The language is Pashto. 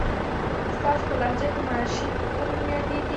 ستاسو په لهجه کې ماشې په کوم نوم یادېږي؟